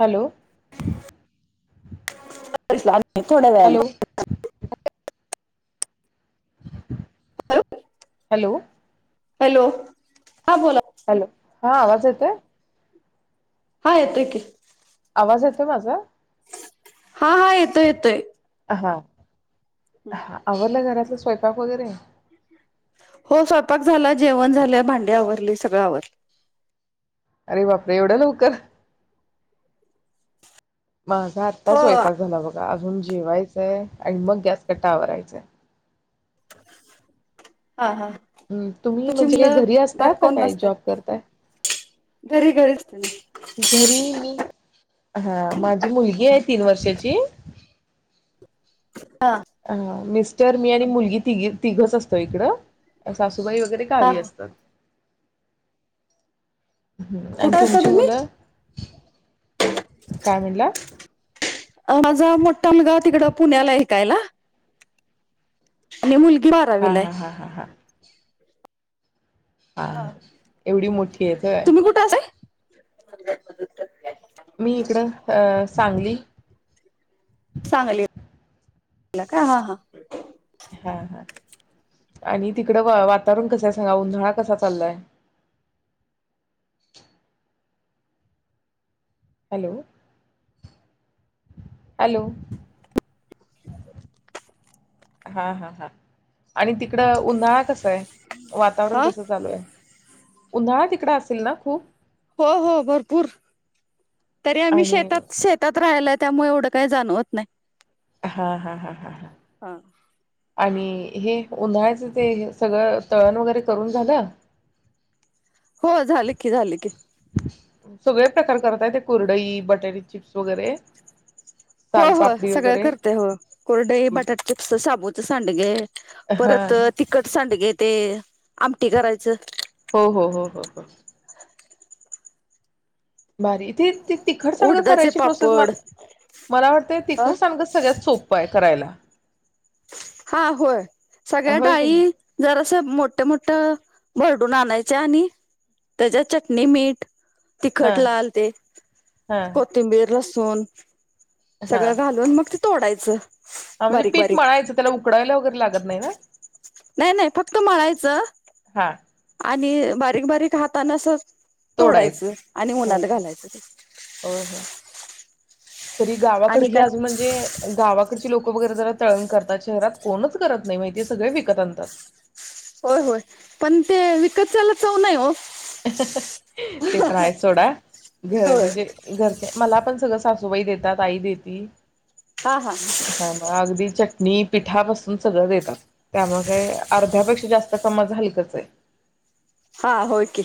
Hello [unintelligible] थोड्या hello वेळानं hello hello हां बोला? हॅलो हा आवाज येतोय? हा येतोय की आवाज येतोय माझा हा हा येतोय येतोय हां - हा -आवरलं घरात? स्वयंपाक वगैरे? हो स्वयंपाक झाला, जेवण झालं, भांडी आवरली, सगळं आवरलं. अरे, बापरे एवढं लवकर? माझा आत्ता हो स्वयंपाक झाला बघ अजून जेवायचंय आणि मग गॅस कट्टा आवरायचा. हा हा हम्म, तुम्ही तुझी म्हणजे काही मुलं घरी असता घरात का कोण काय असतय, जॉब करताय घरी घरीच [unintelligible] घरी मी हा माझी मुलगी आहे तीन वर्षाची हा हा मिस तर मी आणि मुलगी तिघी तिघच असतो इकडं सासूबाई वगैरे हा गावी असतात. हम्म आणि कुठे असता तुमची तुम्ही मुलं? काय म्हणला माझा मोठा मुलगा तिकडं पुण्याला हाय हीकायला आणि मुल हा हा हा हा हा हा एवढी मोठी आहेत होय तुम्ही कुठ असय [unintelligible] मी इकडं अ अ सांगली सांगली ला का हा हा हा हा आणि तिकडं व वातावरण कसं आहे सांगा उन्हळा कसा चाललाय. हॅलो हॅलो हा हा हा आणि ति कड उन्हाळा कसा आहे वातावरण हा कसं चालू आहे. उन्हाळा तिकडं असेल ना खूप हो हो भरपूर तरी आम्ही आणि शेतात शेतात राहिलाय त्यामुळ एवढं काय जाणवत नाय. हा हा हा हा हा आणि हे उन्हाळ्याचं ते सगळं तळण वगैरे करून झालं हो झालं की झालं की सगळे प्रकार करताय ते कुरडई बटाटे चिप्स वगैरे. होय हो सालपापडी सगळं वगैरे करत हो कुरडई बटाट चिप्स, साबूच सांडग हा परत तिखट सांडगे ते आमटी करायचं हो हो हो हो हो भारीये ती ते तिखट सांडग उडदाचे करायची प्रोसेस मल पापड मला वाटतं अ तिखट सांडगं सगळ्यात सोपं आहे करायला. हा होय सगळ्या होय की नाही डाळी जरासं मोठ मोठ भरडून आणायच्या आणि त्याज्यात चटणी मीठ हा तिखट लाल ते हा कोथिंबीर लसू सून हा सगळं घालून मग तोडायचं हा म्हणजे बारीक पीठ बारीक मळायचं त्याला उकडायला वगैरे लागत नाही ना नाही नाही फक्त मळायचं हा आणि बारीक बारीक हातान अस. तोडायचं आणि हो उन्हात घालायचं ते. होय होय तरी गावाकडे आणि ह काय आज म्हणजे गावाकडची लोक वगैरे जरा तळून करतात शहरात कोणच करत नाही शहरात कोणच करत नाही माहिती आहे सगळ विकत आणतात. होय होय पण ते विकतच्यायला चव नाही हो. [unintelligible] ते पण आहे सोडा घर होय म्हणजे घरचे मला पण सगळं. सासूबाई देतात आई देती. हा हा हा आगदी चटणी पिठा पासून सगळं देतात त्यामुळे काय अर्ध्यापेक्षा जास्त कामाच हलकंच आहे. हा होय. की.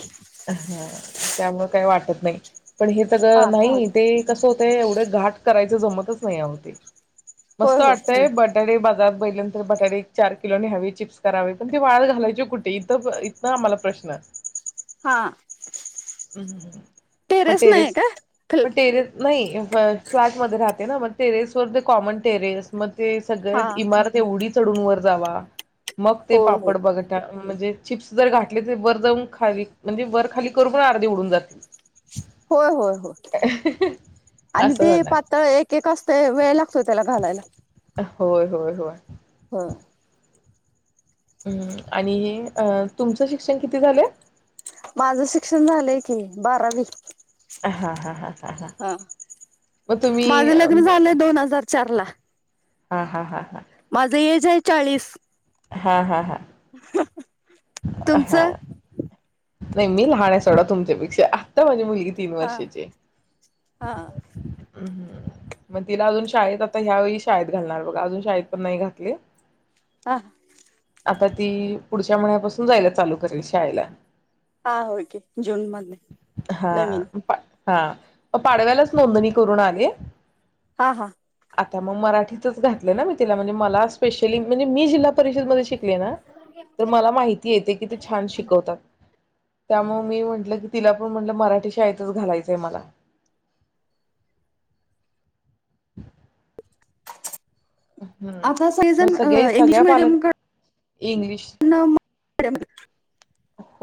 हा. त्यामुळे काही वाटत नाही. पण हे सगळ हा नाही ते कस होतं एवढं घाट करायच जमतच नाही हाव ते. मस्त होय होय. वाटतय बटाटे बघा. [unintelligible] बटाटे एक चार किलो न्यावे चिप्स करावी पण ते वाळत घालायची कुठे इथ इथन आम्हाला प्रश्न. हां. हम्म. मग टेरेस खल म टेरेस नाही फ्लॅटमध्ये राहते. [unintelligible] टेरेस वरचे कॉमन टेरेस मग ते सगळ्या हा इमारत एवढी चढून वर जावा. मग ते होय होय. पापड बघत. म्हणजे चिप्स जर घातले. त वर जाऊन खावी. म्हणजे वर खाली करू पण अर्धे उडून जातील. होय होय होय. आणि असं ते होणार पातळ एक एक असतय वेळ लागतंय त्याला घालायला. होय होय होय. हो. हम् आणि अ तुमचं शिक्षण किती झालंय. माझं शिक्षण झालंय की बारावी. हा हा हां. हा माझं लग्न झालंय दोन हजार चार ला. हा हा हा हा. माझं एज आहे चाळीस. हा हा हा. [unintelligible] हा हा. तुमचं? नाही मी लहान आहे. सोडा तुमच्यापेक्षा आता माझी मुलगी तीन हा वर्षाची हा हम मग तिला अजून शाळेत आता ह्यावेळी शाळेत घालणार बघा अजून शाळेत पण नाही घातले. हा आता ती पुढच्या महिन्यापासून जायला चालू करेल शाळेला हा होय की जून मध्ये नवीन हा म पाडव्यालाच नोंदणी करून आले. हा हा आता मग मराठीतच घातले ना मी तिला म्हणजे मला स्पेशली म्हणजे मी जिल्हा परिषद मध्ये शिकले. ना तर मला माहित येते. किती छान शिकवतात. त्यामुळे मी म्हटलं की तिला पण म्हटलं मराठी शाळेतच घालायचंय मला हम्म आता मग सगळेजण सगळे इंग्लिश सगळ्या पालक मिडियम क इंग्लिश न मॅडम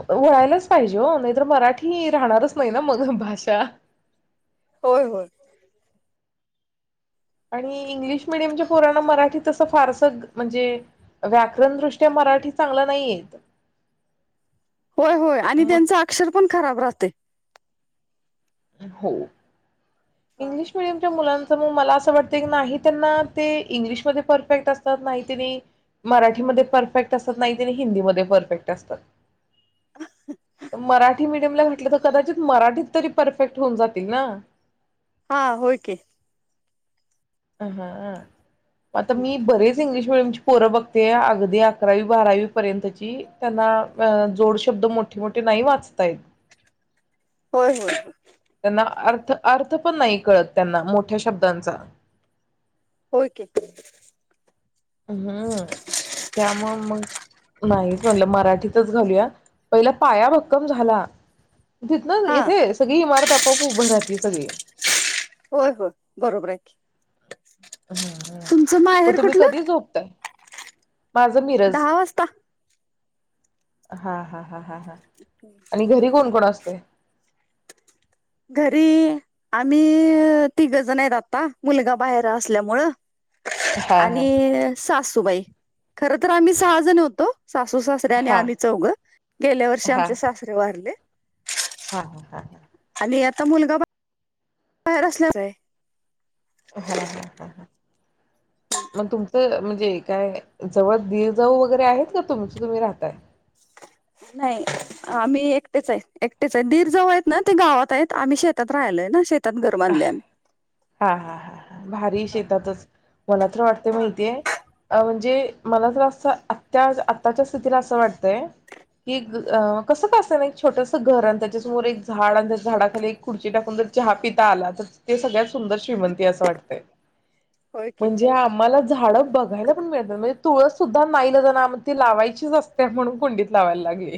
वळायलाच पाहिजे हो नाहीतर मराठी राहणारच नाही ना मग भाषा होय होय आणि इंग्लिश मिीडियमच्या पोरांना मराठी तसं फारसं म्हणजे व्याकरण दृष्ट्या मराठी चांगलं नाही येत. होय होय आणि त्यांच मग अक्षर पण खराब राहतय. हो हा इंग्लिश मिडियमच्या मुलां मग मला असं वाटत की नाही त्यांना ते इंग्लिशमध्ये परफेक्ट असतात. नाही त्यांनी मराठीमध्ये परफेक्ट असतात. नाही त्यांनी हिंदीमध्ये परफेक्ट असतात. मराठी मिडियमला घातलं तर कदाचित मराठीत तरी परफेक्ट होऊन जातील ना हा होय की अ ह अ आता मी बरेच इंग्लिश मी आताची पोरं बघते. अगदी अकरावी बारावी पर्यंतची त्यांना जोड शब्द मोठे मोठे नाही वाचतायेत. होय होय त्यांना अर्थ अर्थ पण नाही कळत त्यांना मोठ्या शब्दांचा होय की हम्म त्यामुळे मग नाहीच म्हटलं मराठीतच घालूया पहिला पाया भक्कम झाला. तिथन हा येथे सगळी इमारत आप खूप उभं राहती सगळे होय होय बरोबर आहे की हम्म हम्म तुमचं ओ माहेर तुम्ही कुठलं कधी झोपताय. माझं मिरज दहा वाजता. हा हा हा हा हा आणि घरी कोण कोण असतं. घरी आम्ही तिघ जण आहेत. आत्ता मुलगा बाहेर असल्यामुळं हा हा आणि सास तू बाई खरं तरं, आम्ही सहा जण होतो. सासू सासरे आणि हा आम्ही चौघं. गेल्या वर्षी आमचे सासरे वारले. हा हा हा हा. आणि आता मुलगा बा तयार असल्याच आहे. हा हा हा मग तुमचं म्हणजे काय जवळ दीर-जाऊ वगैरे आहेत का? तुमचं तुम्ही राहताय. नाही आम्ही एकटेच आहे एकटेच आहे दीर-जाऊ आहेत ना, ते गावात आहेत आम्ही शेतात राहायला ना शेत हा हा हा भारी हा शेतातच मला तर, वाटतय माहितीय अ म्हणजे जे मला ज अस आत्या आत्ताच्या स्थितीला असं वाटतय की, अ कसं का अस ना एक छोटस घर, अन त्याच्या समोर एक झाड अन त्या झाडाखाली खुर्ची टाकून जर चहा पित आला तर ते सगळ्याच सुंदर श्रीमंती असं वाटतंय. होय की म्हणजे आम्हांला झाडं बघायला पण मिळत नाही, म्हणजे तुळस सुद्धा नाईलाजाने आम ती लावायचीच असते, म्हणून कुंडीत लावायला लागली.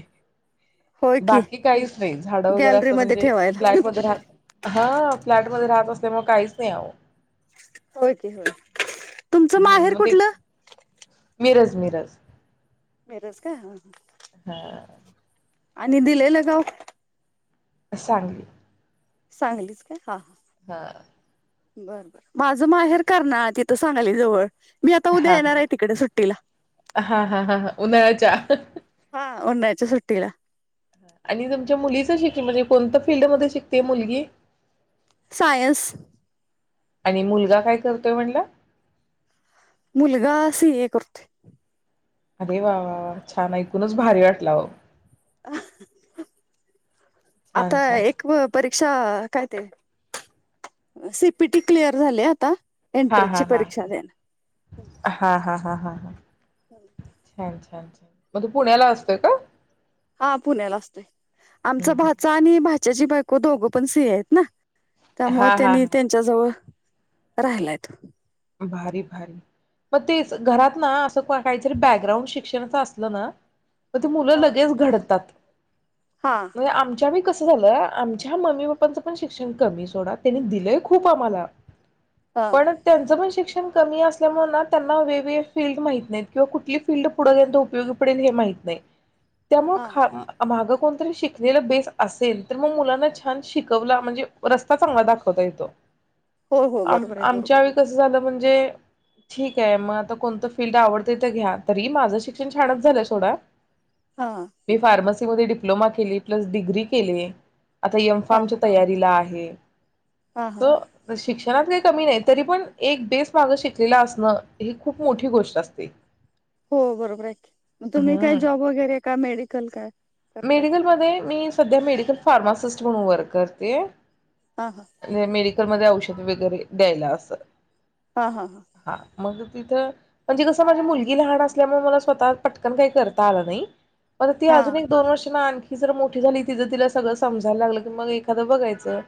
होय की बाकी काहीच नाही झाड वगैरे गॅलरी असं मध्ये म्हणजे ठेवायला फ्लॅट मधे राह हां [unintelligible] राहत असल्यामुळ काहीचं नाही आवो. होय की होय तुमचं हम्म माहेर मग ते कुठलं? मिरज मिरज. बेरोजगार. हां. आणि दिलेलं गांव? सांगली. सांगलीच का? हा. हा. बरं ब माझं माहेर करणाळं तिथं सांगली जवळ. मी आता उद्या हा हा येणार आहे तिकडे सुट्टीला हा हा हा हा उन्हाळ्याच्या. हां उन्हाळ्याच्या सुट्टीला. आणि तुमच्या मुलीचं शिक्ष म्हणजे कोणत्या फील्ड मध्ये शिकतिये मुलगी? सायन्स. आणि मुलगा काय करतोय म्हणला? मुलगा सी ए करतोय. अरे वा वा वा छान! ऐकूनच भारी वाटला अहो. छान आता छान एक व परी क्षा काय ते सी पी टी क्लिअर झाले आता. हा हा एंट्रन्सची हा परीक्षा द्यायला हा हा हा हा हा छान! छा छान छा मग तो पुण्याला असतोय का? हा पुण्याला असतोय. हम्म आमचा हम्म. भाचा आणि भाच त्याची बायको दोघं पण सी ए आहेत ना. त्यामुळ हा हा त्यांनी हा त्यांच्याजवळ राहिलाय तो भारी भारी म तेच घरात ना आस [unintelligible] काहीतरी बॅकग्राउंड शिक्षणाच असल ना म ती मुलं हा लगेच घडतात. हा म हे आमच्या बी कस झालं, आमच्या मम्मी पप्पांचं पण शिक्षण कमी सोडा, त्यांनी दिलंय खूप आम्हाला हा. पण [unintelligible] शिक्षण कमी असल्यामुळ ना त्यांना वे वे फील्ड माहित न्हइत, किंवा कुठली फील्ड पुढ तेंच्या उपयोगी पडेल हे माहित नई. त्यामुळं हा खा अ माग कोणतरी शिकलेलं बेस असेल, तर मग मुलांना छान शिकवला म्हणजे रस्ता चांगला दाखवता येतो. हो हो बरोबराय बरोबर स झाल म्हणजे ठीकाय म आता कोणतं फील्ड आवडत ते घ्या, तरी माझं शिक्षण छानच झालंय सोडा आहे हा मी फार्मस [unintelligible] मध्ये डिप्लोमा केली प्लस डिग्री केले. आता एम हा फार्मच्या हा तयारीला आहे. हा [unintelligible] हा स अ शिक्ष घरात काय कमी नई तरी पण एक बेस माग शिकलेलं असणं, ही खूप मोठी गोष्ट असते. हो बरोबर आयकी, म तुम्ही काय जॉब हम्म वगैरे का मेडिकल काय? करताय मेडिकलमध्ये [unintelligible] मी सध्या मेडिकल फार्मासिस्ट म्हणून वर करते. हा हा [unintelligible] मेडीक कलमध्ये औषधं वगैरे द्यायला असं हा हा हा. मग तिथं म्हणजे कसं माझी मुलगी लहान असल्यामुळं मला स्वतः पटकन काही करता आलं नई. पण ती हा अजून एक दोन वर्षांनी आणखी जर मोठी झाली, तिझ तिला सगळं समजाय लागलं की मग एखादं बघायचं.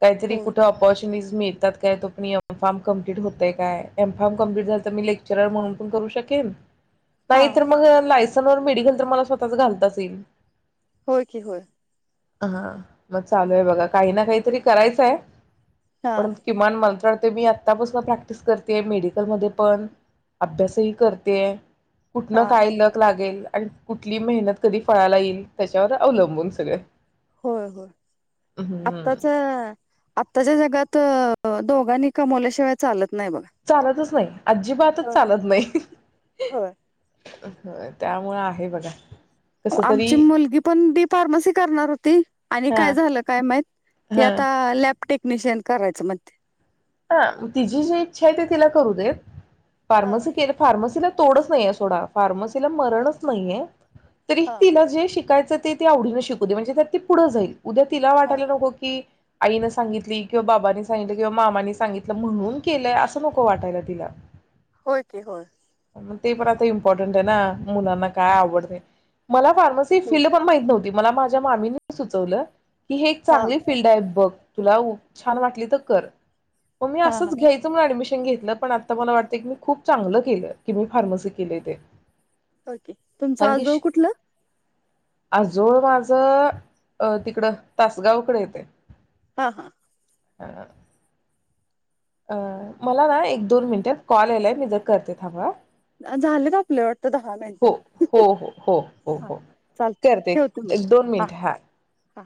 कायतरी हो कुठं ऑपॉरच टीनिज मिळतात काय, तो पण एम फार्म कंप्लीट होतय काय, एम फार्म कंप्लीट झालं तर मी लेक्चरर म्हणून पण करू शकेल. हा नाही तर मग अ लायस तन मेडिकल तर मला स्वताच घालताच [inaudible] होय की होय हां मग चालूय हम्म. बघा काही ना काही तरी करायचाय हा पण किमान तर मी आत्तापासन प्रॅक्टिस करतीये मेडिकलमध्येपण अभ्यासही करतीये कुठनं हा काय लक लागेल आणि कुठली मेहनत कधी फळाला येईल त्याच्यावर अवलंबून सगळं होय, होय आत्ताच आत्ताच्या जगात तर दोघांनी कमवल्याशिवाय चालत नाही बघा. चालतच नाही अजिबातच हो हो चालत नाही होय. त्यामुळे आहे बघा कस तरी आमची मुलगी पण बी फार्मसी करणार होती आणि हा काय झालं काय माहित ती हा आता लॅप टेक्निशियन करायचं म्हणती हा तिची जी इच्छा आहे ते तिला करू देत हा फार्मसी केलं फार्मसीला तोडच नाहीे सोडा फार्मसीला मरणाचं नाहीये तरी हा तिला जे शिकायचं ते आवडीने शिकव दे म्हणजे त्या ती पुढं जाईल उद्या तिला हा वाटायला नको की आईनें सागितली किंवा बाबाांनी सांगितली किंवा मामानी सांगितलं म्हणून केलंय असं नको वाटायला तिला होय कि होय ते पण आता इम्पॉर्टंट. आहे ना मुलांना काय आवडते मला फार्मसी हो फिल्ड पण माहित नव्हती मला माझ्या मामीनी सुचवलं ही हे एक हा चांगली फील्ड आहे बघ तुला छान वाटली तर कर मी हा हा असंच घ्यायचं म्हणून ऍडमिशन पण घेतलं पण मला आता वाटतं खूप चागलं केलं की मी फार्मसी केलं ते ओके तुमचं कारण की आजोळ कुठलं आजोळ माझ अ तिकडं तासगावकडे येतय हा, हा ह अ, मला ना एक दोन मिनटं कॉल आलाय मी जर करते थांबा? हा झालेत आपले वाटतं दहा हो, मिनिटं. हो, हो, हो, हो, हा. हो चालतंय करते ठेवते मग. एक दोन मिनटं हा हा